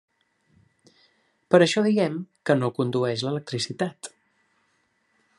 Per això diem que no condueix l'electricitat.